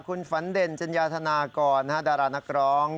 คุณฝันเด่นจัญญาธนากรดารานักร้อง